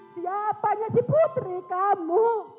siapanya si putri kamu